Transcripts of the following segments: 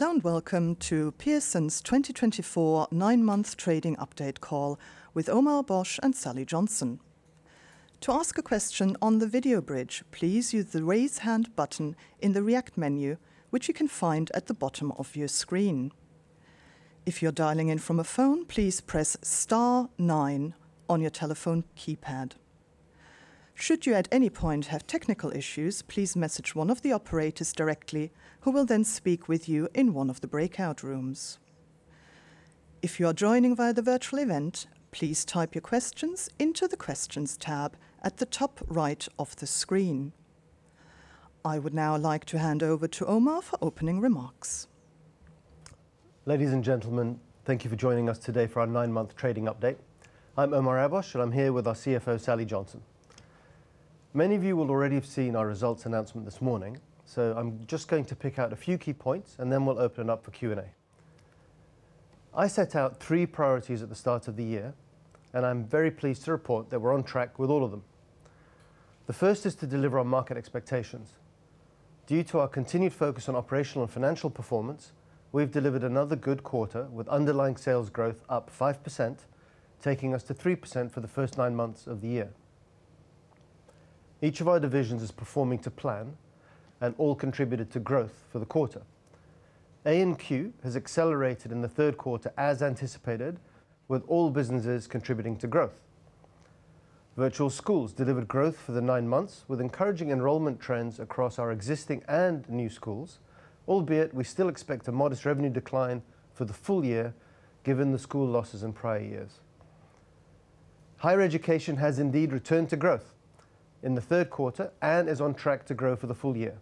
Hello and welcome to Pearson's 2024 nine-month trading update call with Omar Abbosh and Sally Johnson. To ask a question on the video bridge, please use the Raise Hand button in the React menu, which you can find at the bottom of your screen. If you're dialing in from a phone, please press star nine on your telephone keypad. Should you at any point have technical issues, please message one of the operators directly who will then speak with you in one of the breakout rooms. If you are joining via the virtual event, please type your questions into the Questions Tab at the top right of the screen. I would now like to hand over to Omar for opening remarks. Ladies and gentlemen, thank you for joining us today for our nine-month trading update. I'm Omar Abbosh, I'm here with our CFO, Sally Johnson. Many of you will already have seen our results announcement this morning, I'm just going to pick out a few key points and then we'll open it up for Q&A. I set out three priorities at the start of the year, I'm very pleased to report that we're on track with all of them. The first is to deliver on market expectations. Due to our continued focus on operational and financial performance, we've delivered another good quarter with underlying sales growth up 5%, taking us to 3% for the first nine months of the year. Each of our divisions is performing to plan and all contributed to growth for the quarter. A&Q has accelerated in the third quarter as anticipated, with all businesses contributing to growth. Virtual Schools delivered growth for the nine months with encouraging enrollment trends across our existing and new schools, albeit we still expect a modest revenue decline for the full year given the school losses in prior years. Higher Education has indeed returned to growth in the third quarter and is on track to grow for the full year,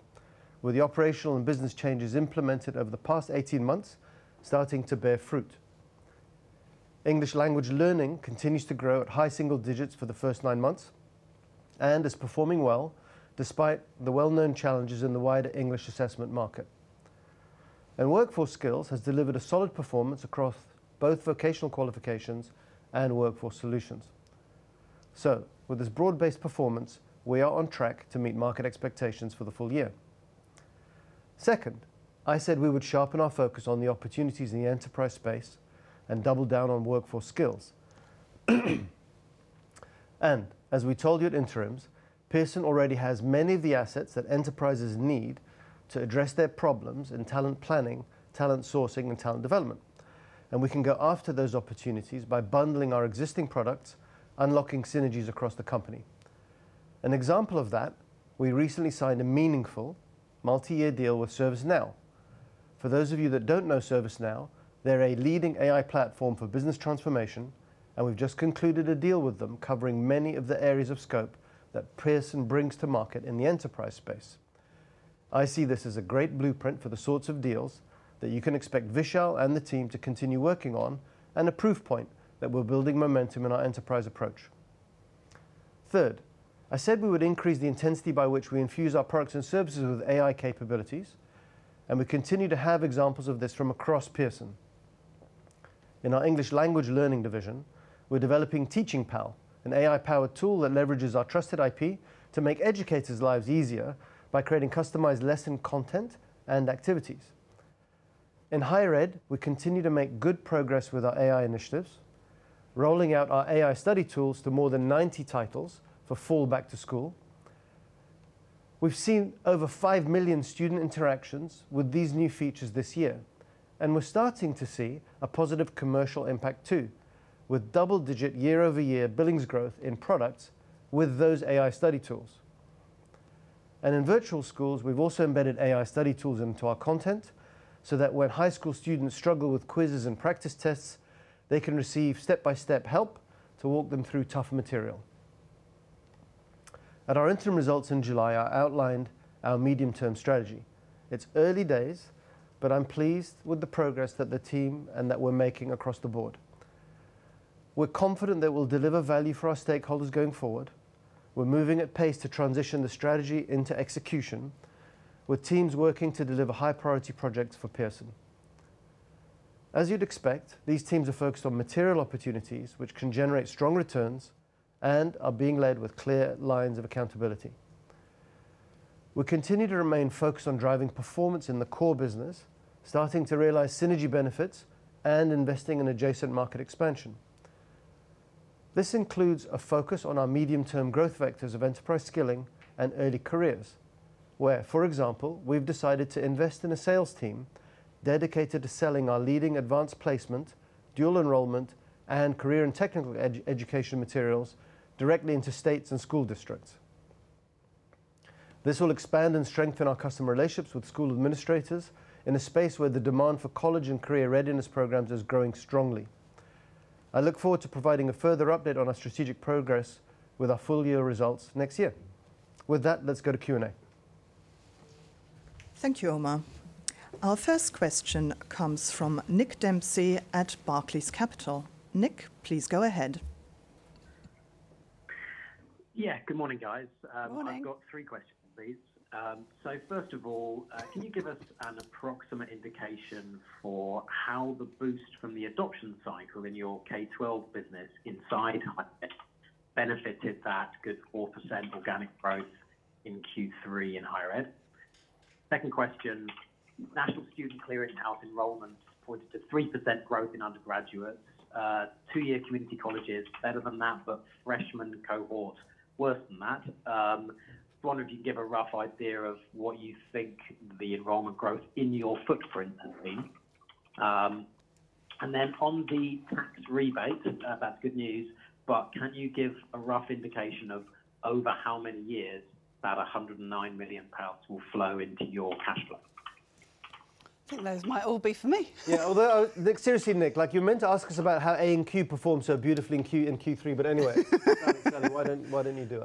with the operational and business changes implemented over the past 18 months starting to bear fruit. English Language Learning continues to grow at high single digits for the first nine months and is performing well despite the well-known challenges in the wider English assessment market. Workforce Skills has delivered a solid performance across both vocational qualifications and workforce solutions. With this broad-based performance, we are on track to meet market expectations for the full year. I said we would sharpen our focus on the opportunities in the enterprise space and double down on Workforce Skills. As we told you at interims, Pearson already has many of the assets that enterprises need to address their problems in talent planning, talent sourcing, and talent development. We can go after those opportunities by bundling our existing products, unlocking synergies across the company. Example of that, we recently signed a meaningful multi-year deal with ServiceNow. For those of you that don't know ServiceNow, they're a leading AI platform for business transformation, and we've just concluded a deal with them covering many of the areas of scope that Pearson brings to market in the enterprise space. I see this as a great blueprint for the sorts of deals that you can expect Vishal and the team to continue working on, and a proof point that we're building momentum in our enterprise approach. Third, I said we would increase the intensity by which we infuse our products and services with AI capabilities, and we continue to have examples of this from across Pearson. In our English Language Learning division, we're developing Teaching Pal, an AI-powered tool that leverages our trusted IP to make educators' lives easier by creating customized lesson content and activities. In Higher Education, we continue to make good progress with our AI initiatives, rolling out our AI study tools to more than 90 titles for fall back to school. We've seen over 5 million student interactions with these new features this year. We're starting to see a positive commercial impact too, with double-digit year-over-year billings growth in products with those AI study tools. In Virtual Schools, we've also embedded AI study tools into our content, so that when high school students struggle with quizzes and practice tests, they can receive step-by-step help to walk them through tough material. At our interim results in July, I outlined our medium-term strategy. It's early days, but I'm pleased with the progress that the team and that we're making across the board. We're confident that we'll deliver value for our stakeholders going forward. We're moving at pace to transition the strategy into execution, with teams working to deliver high-priority projects for Pearson. As you'd expect, these teams are focused on material opportunities which can generate strong returns and are being led with clear lines of accountability. We continue to remain focused on driving performance in the core business, starting to realize synergy benefits and investing in adjacent market expansion. This includes a focus on our medium-term growth vectors of enterprise skilling and early careers, where, for example, we've decided to invest in a sales team dedicated to selling our leading Advanced Placement, dual enrollment, and career and technical education materials directly into states and school districts. This will expand and strengthen our customer relationships with school administrators in a space where the demand for college and career readiness programs is growing strongly. I look forward to providing a further update on our strategic progress with our full-year results next year. With that, let's go to Q&A. Thank you, Omar. Our first question comes from Nick Dempsey at Barclays Capital. Nick, please go ahead. Yeah. Good morning, guys. Morning. I've got three questions, please. First of all, can you give us an approximate indication for how the boost from the adoption cycle in your K-12 business inside Higher Education, benefited that good 4% organic growth in Q3 in Higher Education. Second question, National Student Clearinghouse enrollments pointed to 3% growth in undergraduate, two-year community colleges better than that, but freshman cohort worse than that. Just wonder if you can give a rough idea of what you think the enrollment growth in your footprint has been. Then on the tax rebate, that's good news, but can you give a rough indication of over how many years that 109 million pounds will flow into your cash flow? I think those might all be for me. Yeah. Nick, seriously, Nick, like, you're meant to ask us about how A&Q performed so beautifully in Q3, but anyway. Sally, why don't you do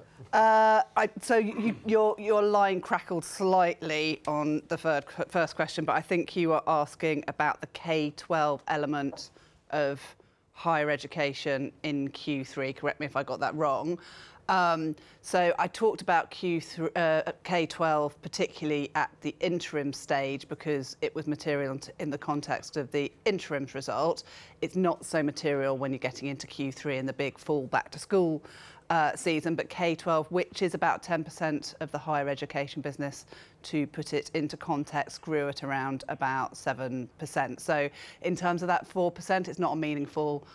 it? Your line crackled slightly on the third first question, I think you were asking about the K-12 element of Higher Education in Q3. Correct me if I got that wrong. I talked about K-12 particularly at the interim stage because it was material in the context of the interim result. It's not so material when you're getting into Q3 and the big fall back to school season. K-12, which is about 10% of the Higher Education business, to put it into context, grew at around about 7%. In terms of that 4%, it's not a meaningful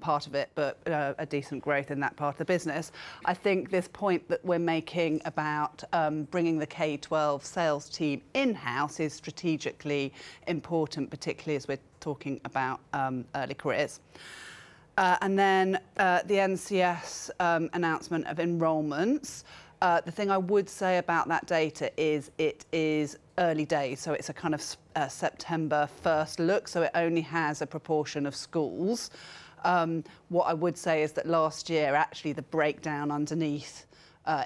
part of it, but a decent growth in that part of the business. I think this point that we're making about bringing the K-12 sales team in-house is strategically important, particularly as we're talking about early careers. Then the NCS announcement of enrollments, the thing I would say about that data is it is early days. It's a kind of September 1st look, so it only has a proportion of schools. What I would say is that last year, actually the breakdown underneath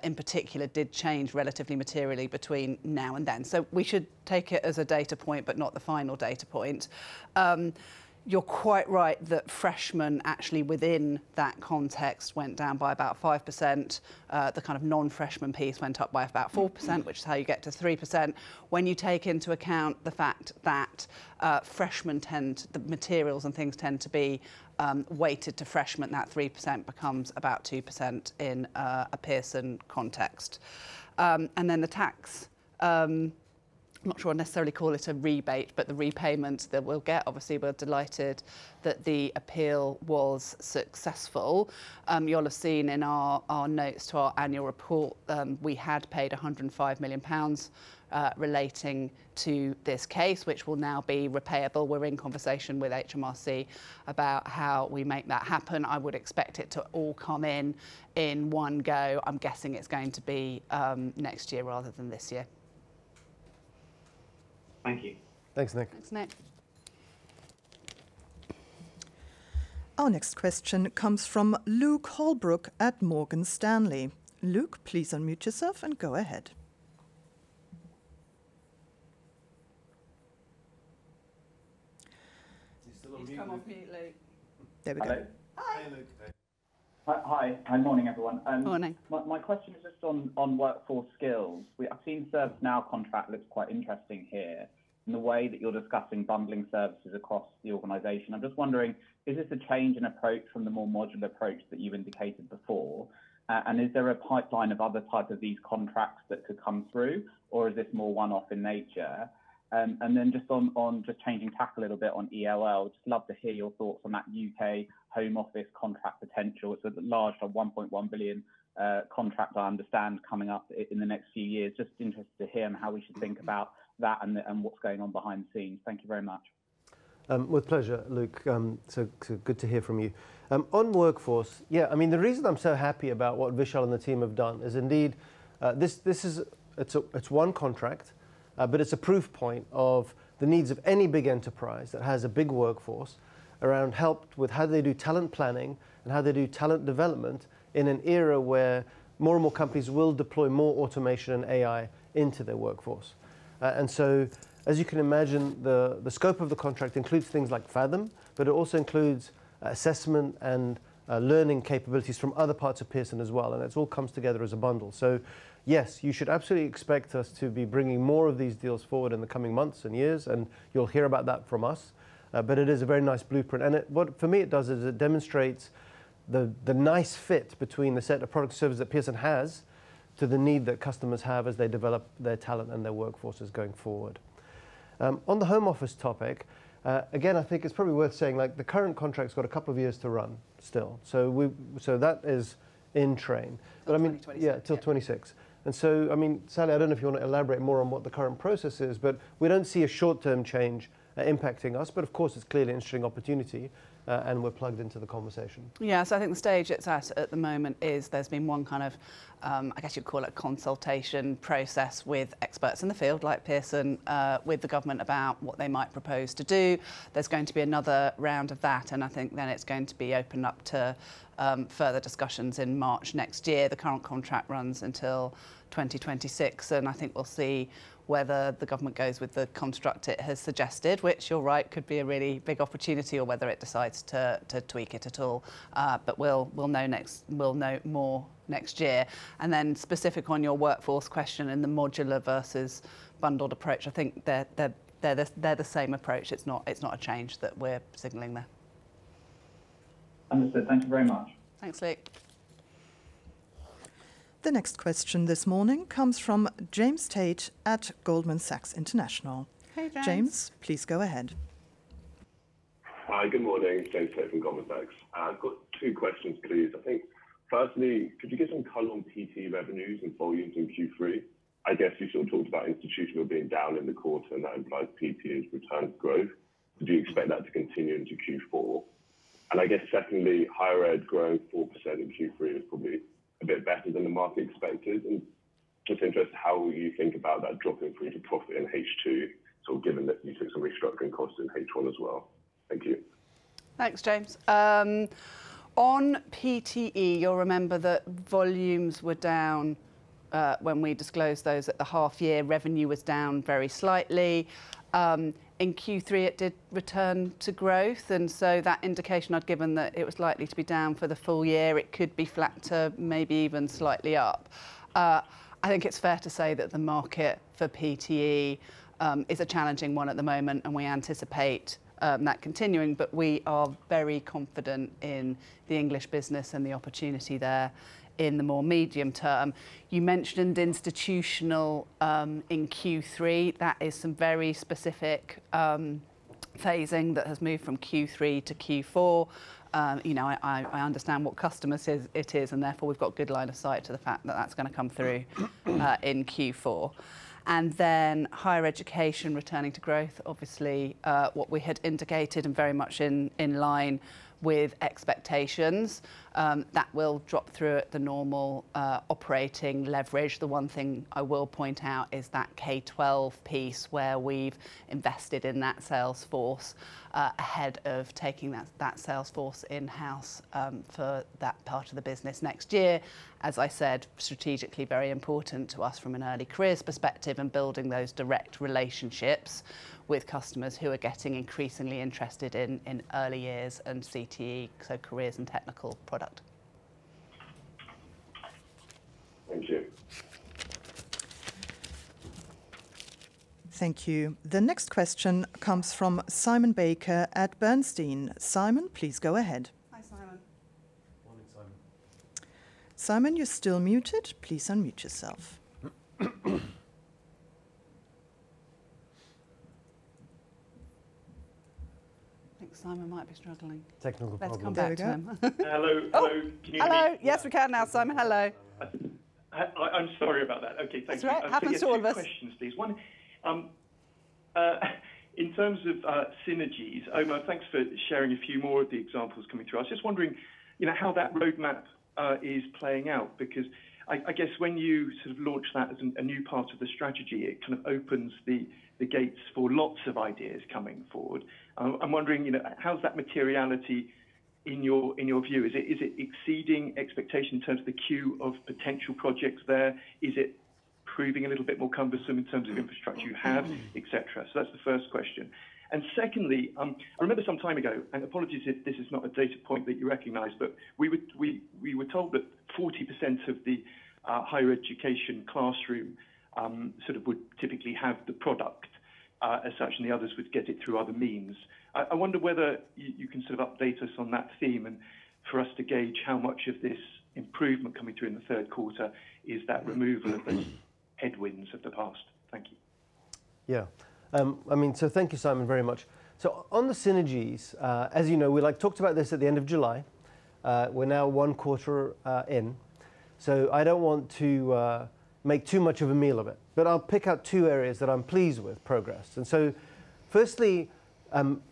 in particular did change relatively materially between now and then. We should take it as a data point, but not the final data point. You're quite right that freshmen actually within that context went down by about 5%. The kind of non-freshman piece went up by about 4%, which is how you get to 3%. When you take into account the fact that the materials and things tend to be weighted to freshmen, that 3% becomes about 2% in a Pearson context. Then the tax, I'm not sure I'd necessarily call it a rebate, but the repayment that we'll get, obviously we're delighted that the appeal was successful. You'll have seen in our notes to our annual report, we had paid 105 million pounds relating to this case, which will now be repayable. We're in conversation with HMRC about how we make that happen. I would expect it to all come in in one go. I'm guessing it's going to be next year rather than this year. Thank you. Thanks, Nick. Thanks, Nick. Our next question comes from Luke Holbrook at Morgan Stanley. Luke, please unmute yourself and go ahead. You still on mute, Luke? He's come off mute, Luke. There we go. Okay. Hi. Hey, Luke. Hi. Hi, morning, everyone. Morning. My question is just on Workforce Skills. I've seen ServiceNow contract looks quite interesting here in the way that you're discussing bundling services across the organization. I'm just wondering, is this a change in approach from the more modular approach that you've indicated before? Is there a pipeline of other types of these contracts that could come through, or is this more one-off in nature? Then just changing tack a little bit on ELL, just love to hear your thoughts on that U.K. Home Office contract potential. It's a large, 1.1 billion contract, I understand, coming up in the next few years. Just interested to hear on how we should think about that and what's going on behind the scenes. Thank you very much. With pleasure, Luke. So good to hear from you. On workforce, yeah, I mean, the reason I'm so happy about what Vishal and the team have done is indeed, this is one contract, but it's a proof point of the needs of any big enterprise that has a big workforce around help with how they do talent planning and how they do talent development in an era where more and more companies will deploy more automation and AI into their workforce. As you can imagine, the scope of the contract includes things like Faethm, but it also includes assessment and learning capabilities from other parts of Pearson as well. It all comes together as a bundle. Yes, you should absolutely expect us to be bringing more of these deals forward in the coming months and years, and you will hear about that from us. It is a very nice blueprint. It for me it does is it demonstrates the nice fit between the set of product services that Pearson has to the need that customers have as they develop their talent and their workforces going forward. On the Home Office topic, again, I think it is probably worth saying, like, the current contract has got two years to run still. That is in train. I mean... Till 2026. Yeah. Yeah, till 2026. I mean, Sally, I don't know if you wanna elaborate more on what the current process is, but we don't see a short-term change impacting us, but of course, it's clearly an interesting opportunity, and we're plugged into the conversation. I think the stage it is at at the moment is there has been one kind of, I guess you would call it consultation process with experts in the field, like Pearson, with the government about what they might propose to do. There is going to be another round of that, and I think then it is going to be opened up to further discussions in March next year. The current contract runs until 2026, and I think we will see whether the government goes with the construct it has suggested, which you are right, could be a really big opportunity, or whether it decides to tweak it at all. We will know more next year. Specific on your Workforce question and the modular versus bundled approach, I think they are the same approach. It's not a change that we're signaling there. Understood. Thank you very much. Thanks, Luke. The next question this morning comes from James Tate at Goldman Sachs International. Hey, James. James, please go ahead. Hi, good morning. James Tate from Goldman Sachs. I've got two questions, please. I think firstly, could you give some color on PTE revenues and volumes in Q3? I guess you sort of talked about institutional being down in the quarter, that implies PTE's return to growth. Do you expect that to continue into Q4? I guess secondly, Higher Education growth 4% in Q3 is probably a bit better than the market expected. Just interested how you think about that drop in pretax profit in H2, so given that you took some restructuring costs in H1 as well. Thank you. Thanks, James. On PTE, you'll remember that volumes were down when we disclosed those at the half year. Revenue was down very slightly. In Q3, it did return to growth, that indication I'd given that it was likely to be down for the full year, it could be flat to maybe even slightly up. I think it's fair to say that the market for PTE is a challenging one at the moment, and we anticipate that continuing. We are very confident in the English business and the opportunity there in the more medium term. You mentioned institutional in Q3. That is some very specific phasing that has moved from Q3 to Q4. You know, I, I understand what customer says it is, and therefore we've got good line of sight to the fact that that's gonna come through in Q4. Higher Education returning to growth, obviously, what we had indicated and very much in line with expectations, that will drop through at the normal operating leverage. The one thing I will point out is that K-12 piece where we've invested in that sales force ahead of taking that sales force in-house for that part of the business next year. As I said, strategically very important to us from an early careers perspective and building those direct relationships with customers who are getting increasingly interested in early years and CTE, so careers and technical product. Thank you. Thank you. The next question comes from Simon Baker at Bernstein. Simon, please go ahead. Hi, Simon. Morning, Simon. Simon, you're still muted. Please unmute yourself. I think Simon might be struggling. Technical problem there. Let's come back to him. Hello. Oh. Can you hear me? Hello. Yes, we can now, Simon. Hello. I'm sorry about that. Okay, thank you. It's all right. Happens to all of us. I've two questions, please. One, in terms of synergies, Omar, thanks for sharing a few more of the examples coming through. I was just wondering, you know, how that roadmap is playing out, because I guess when you sort of launch that as a new part of the strategy, it kind of opens the gates for lots of ideas coming forward. I'm wondering, you know, how's that materiality in your view? Is it exceeding expectation in terms of the queue of potential projects there? Is it proving a little bit more cumbersome in terms of infrastructure you have, et cetera? That's the first question. Secondly, I remember some time ago, and apologies if this is not a data point that you recognize, but we would We were told that 40% of the Higher Education classroom sort of would typically have the product as such, and the others would get it through other means. I wonder whether you can sort of update us on that theme and for us to gauge how much of this improvement coming through in the third quarter is that removal of the headwinds of the past. Thank you. Thank you, Simon, very much. On the synergies, as you know, we, like, talked about this at the end of July. We're now one quarter in, I don't want to make too much of a meal of it. I'll pick out two areas that I'm pleased with progress. Firstly,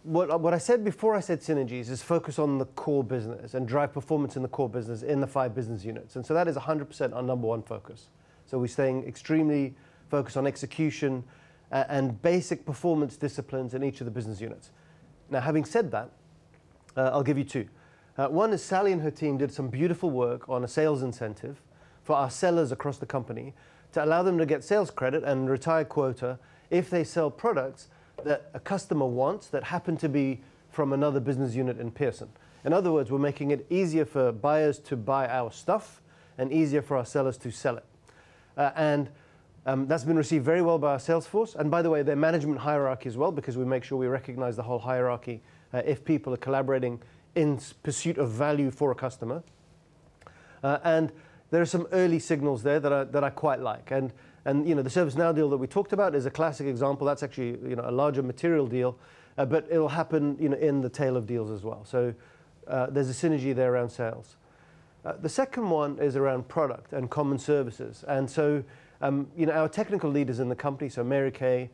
what I said before I said synergies is focus on the core business and drive performance in the core business in the five business units, that is 100% our number one focus. We're staying extremely focused on execution and basic performance disciplines in each of the business units. Having said that, I'll give you two. One is Sally and her team did some beautiful work on a sales incentive for our sellers across the company to allow them to get sales credit and retire quota if they sell products that a customer wants that happen to be from another business unit in Pearson. In other words, we're making it easier for buyers to buy our stuff and easier for our sellers to sell it. That's been received very well by our sales force and by the way, their management hierarchy as well, because we make sure we recognize the whole hierarchy if people are collaborating in pursuit of value for a customer. There are some early signals there that I, that I quite like. You know, the ServiceNow deal that we talked about is a classic example. That's actually, you know, a larger material deal, it'll happen, you know, in the tail of deals as well. There's a synergy there around sales. The second one is around product and common services. You know, our technical leaders in the company, so Mary Kay,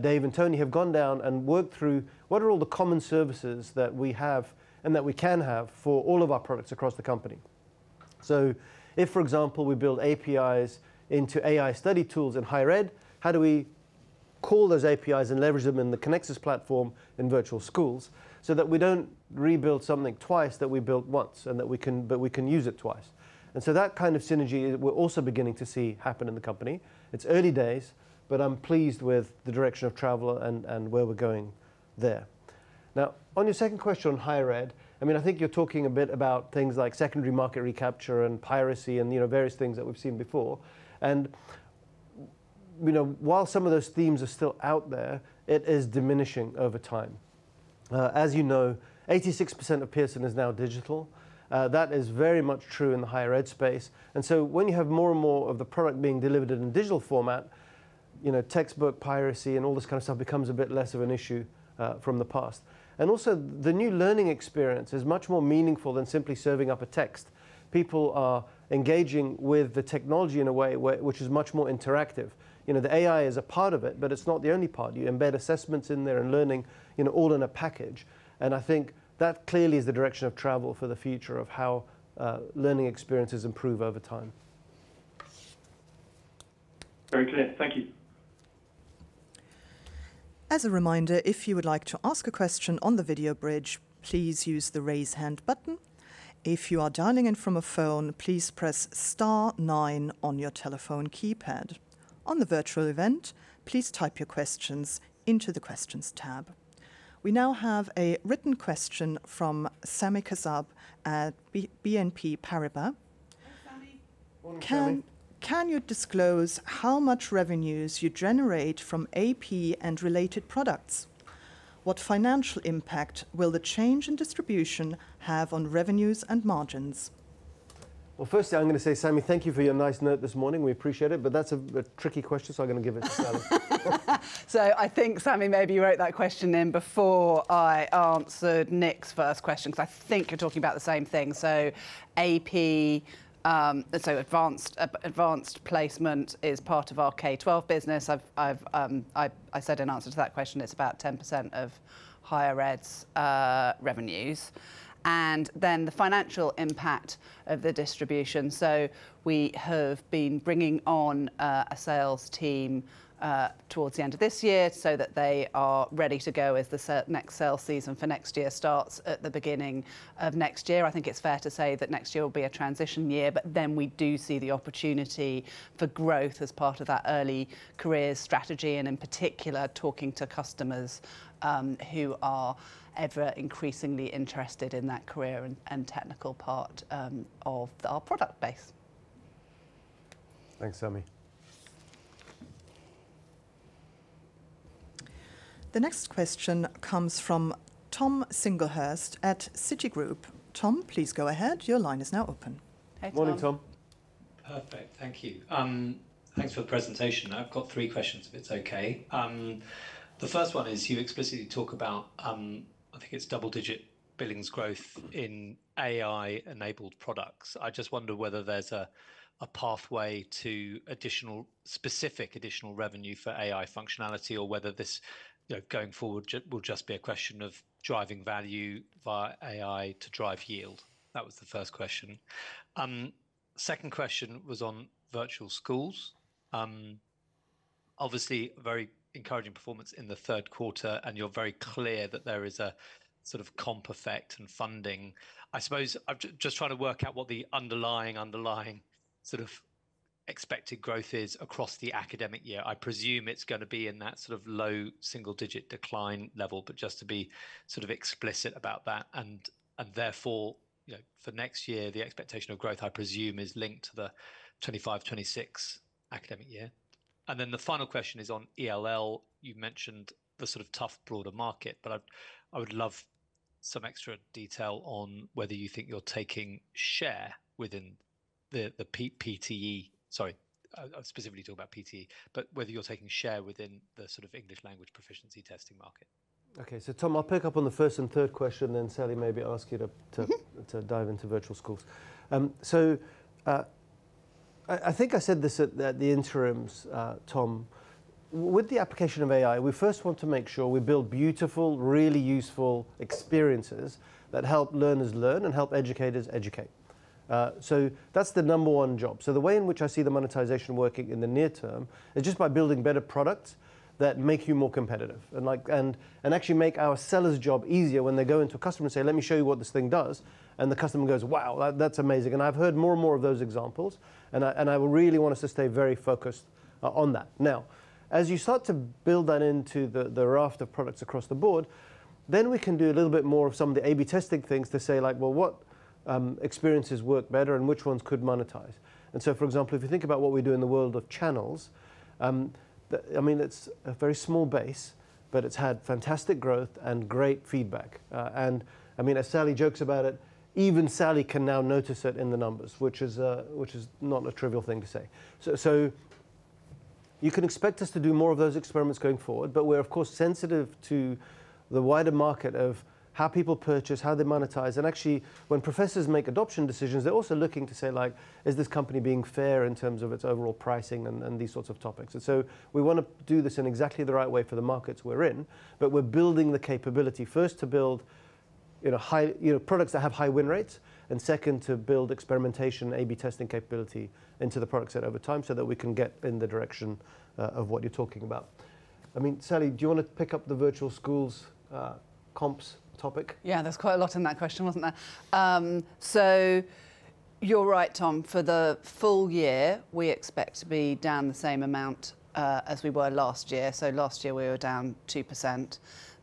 Dave and Tony, have gone down and worked through what are all the common services that we have and that we can have for all of our products across the company. If, for example, we build APIs into AI study tools in Higher Education, how do we call those APIs and leverage them in the Connexus platform in virtual schools so that we don't rebuild something twice that we built once, and that we can use it twice. That kind of synergy we're also beginning to see happen in the company. It's early days, but I'm pleased with the direction of travel and where we're going there. On your second question on Higher Education, I mean, I think you're talking a bit about things like secondary market recapture and piracy and, you know, various things that we've seen before. You know, while some of those themes are still out there, it is diminishing over time. As you know, 86% of Pearson is now digital. That is very much true in the Higher Education space. So when you have more and more of the product being delivered in a digital format, you know, textbook piracy and all this kind of stuff becomes a bit less of an issue from the past. Also, the new learning experience is much more meaningful than simply serving up a text. People are engaging with the technology in a way which is much more interactive. You know, the AI is a part of it, but it's not the only part. You embed assessments in there and learning, you know, all in a package. I think that clearly is the direction of travel for the future of how learning experiences improve over time. Very clear. Thank you. As a reminder, if you would like to ask a question on the video bridge, please use the Raise Hand button. If you are dialing in from a phone, please press star nine on your telephone keypad. On the virtual event, please type your questions into the Questions tab. We now have a written question from Sami Kassab at BNP Paribas. Hi, Sami. Morning, Sami. Can you disclose how much revenues you generate from AP and related products? What financial impact will the change in distribution have on revenues and margins? Firstly, I'm gonna say, Sami, thank you for your nice note this morning. We appreciate it. That's a tricky question, so I'm gonna give it to Sally. I think, Sami, maybe you wrote that question in before I answered Nick's first question, 'cause I think you're talking about the same thing. AP, Advanced Placement is part of our K-12 business. I've, I said in answer to that question, it's about 10% of Higher Education's revenues. The financial impact of the distribution. We have been bringing on a sales team towards the end of this year so that they are ready to go as the next sales season for next year starts at the beginning of next year. I think it's fair to say that next year will be a transition year, but then we do see the opportunity for growth as part of that early career strategy, and in particular, talking to customers, who are ever increasingly interested in that career and technical part, of our product base. Thanks, Sami. The next question comes from Tom Singlehurst at Citigroup. Tom, please go ahead. Your line is now open. Hey, Tom. Morning, Tom. Perfect. Thank you. Thanks for the presentation. I've got three questions, if it's okay. The first one is you explicitly talk about, I think it's double-digit billings growth in AI-enabled products. I just wonder whether there's a pathway to additional, specific additional revenue for AI functionality, or whether this, you know, going forward will just be a question of driving value via AI to drive yield. That was the first question. Second question was on virtual schools. Obviously, very encouraging performance in the third quarter, and you're very clear that there is a sort of comp effect in funding. I suppose I'm just trying to work out what the underlying sort of expected growth is across the academic year. I presume it's gonna be in that sort of low-single-digit decline level, but just to be sort of explicit about that, and therefore, you know, for next year, the expectation of growth, I presume, is linked to the 2025-2026 academic year. The final question is on ELL. You've mentioned the sort of tough broader market, I would love some extra detail on whether you think you're taking share within the PTE. Sorry, I specifically talk about PTE, whether you're taking share within the sort of English language proficiency testing market. Okay. Tom, I'll pick up on the first and third question, Sally, maybe ask you to- Mm-hmm... to dive into virtual schools. I think I said this at the interims, Tom. With the application of AI, we first want to make sure we build beautiful, really useful experiences that help learners learn and help educators educate. That's the number one job. The way in which I see the monetization working in the near term is just by building better products that make you more competitive and, like, and actually make our sellers' job easier when they go into a customer and say, "Let me show you what this thing does." The customer goes, "Wow, that's amazing." I've heard more and more of those examples, and I really want us to stay very focused on that. As you start to build that into the raft of products across the board, then we can do a little bit more of some of the A/B testing things to say, like, "Well, what experiences work better and which ones could monetize?" For example, if you think about what we do in the world of Channels, I mean, it's a very small base, but it's had fantastic growth and great feedback. I mean, as Sally jokes about it, even Sally can now notice it in the numbers, which is not a trivial thing to say. You can expect us to do more of those experiments going forward, but we're of course, sensitive to the wider market of how people purchase, how they monetize. Actually, when professors make adoption decisions, they're also looking to say, like, "Is this company being fair in terms of its overall pricing?" and these sorts of topics. We wanna do this in exactly the right way for the markets we're in, but we're building the capability first to build, you know, high, you know, products that have high win rates, and second, to build experimentation, A/B testing capability into the product set over time so that we can get in the direction of what you're talking about. I mean, Sally, do you wanna pick up the virtual schools comps topic? Yeah. There's quite a lot in that question, wasn't there? You're right, Tom. For the full year, we expect to be down the same amount as we were last year. Last year we were down 2%.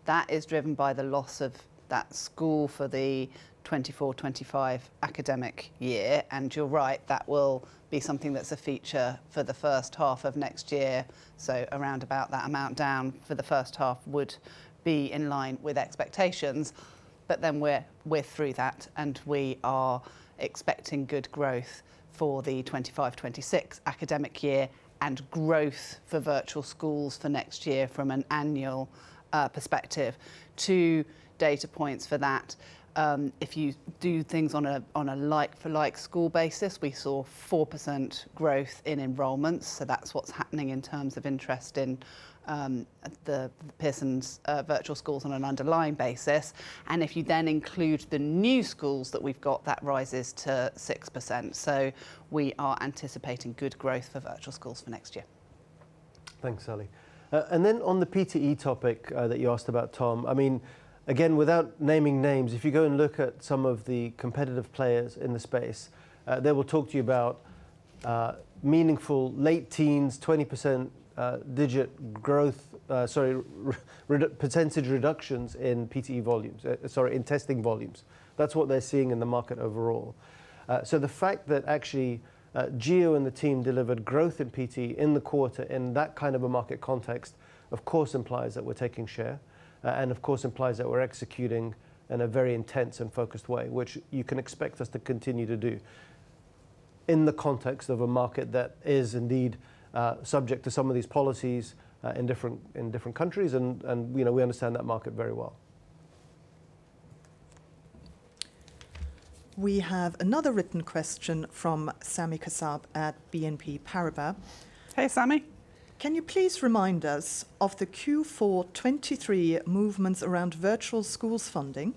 That is driven by the loss of that school for the 2024/2025 academic year. You're right, that will be something that's a feature for the first half of next year, so around about that amount down for the first half would be in line with expectations. We're through that, and we are expecting good growth for the 2025/2026 academic year and growth for Virtual Schools for next year from an annual perspective. Two data points for that. If you do things on a, on a like for like school basis, we saw 4% growth in enrollments, that's what's happening in terms of interest in the Pearson Virtual Schools on an underlying basis. If you then include the new schools that we've got, that rises to 6%. We are anticipating good growth for Pearson Virtual Schools for next year. Thanks, Sally. On the PTE topic that you asked about, Tom, I mean, again, without naming names, if you go and look at some of the competitive players in the space, they will talk to you about meaningful late-teens, 20%, sorry, percentage reductions in PTE volumes, sorry, in testing volumes. That's what they're seeing in the market overall. The fact that actually, Gio and the team delivered growth in PTE in the quarter in that kind of a market context of course implies that we're taking share, and of course implies that we're executing in a very intense and focused way, which you can expect us to continue to do in the context of a market that is indeed subject to some of these policies, in different countries and, you know, we understand that market very well. We have another written question from Sami Kassab at BNP Paribas. Hey, Sami. Can you please remind us of the Q4 2023 movements around virtual schools funding?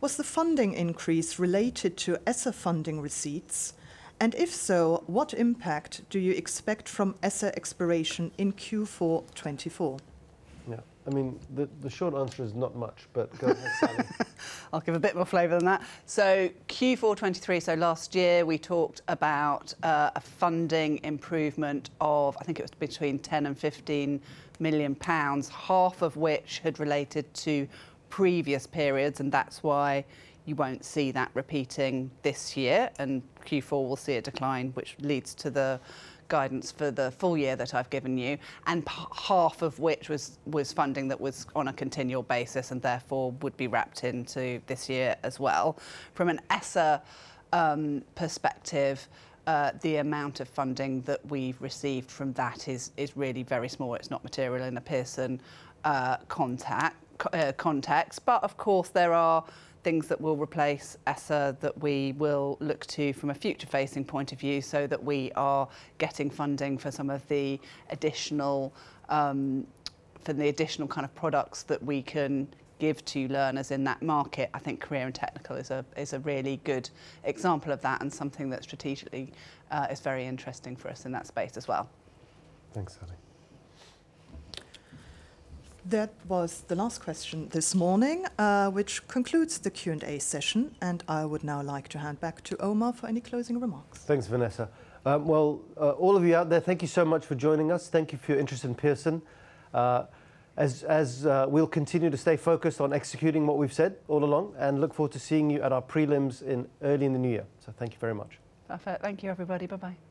Was the funding increase related to ESSER funding receipts? If so, what impact do you expect from ESSER expiration in Q4 2024? Yeah. I mean, the short answer is not much, but go ahead, Sally. I'll give a bit more flavor than that. Q4 2023, last year, we talked about a funding improvement of, I think it was between 10 million and 15 million pounds, half of which had related to previous periods, and that's why you won't see that repeating this year. Q4 will see a decline, which leads to the guidance for the full year that I've given you. Half of which was funding that was on a continual basis and therefore would be wrapped into this year as well. From an ESSER perspective, the amount of funding that we've received from that is really very small. It's not material in a Pearson context. Of course there are things that will replace ESSER that we will look to from a future-facing point of view so that we are getting funding for some of the additional, for the additional kind of products that we can give to learners in that market. I think career and technical is a, is a really good example of that and something that strategically is very interesting for us in that space as well. Thanks, Sally. That was the last question this morning, which concludes the Q&A session. I would now like to hand back to Omar for any closing remarks. Thanks, Vanessa. Well, all of you out there, thank you so much for joining us. Thank you for your interest in Pearson. As we'll continue to stay focused on executing what we've said all along and look forward to seeing you at our prelims in, early in the new year. Thank you very much. Perfect. Thank you, everybody. Bye-bye.